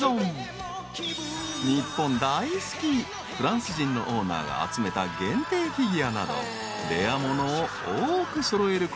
［日本大好きフランス人のオーナーが集めた限定フィギュアなどレア物を多く揃える